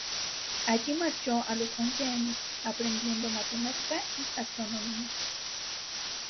Allí marchó a los once años, aprendiendo matemática y astronomía.